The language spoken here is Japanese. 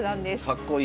かっこいい。